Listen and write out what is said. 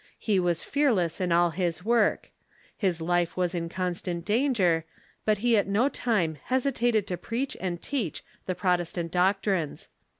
He was fearless in all his work. His life was in constant danger, but he at no time hesitated to preach and teach the Px'otestant doctrines.